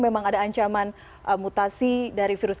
memang ada ancaman mutasi dari virus